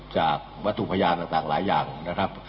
จากวัตถุพยานต่างหลายอย่างนะครับ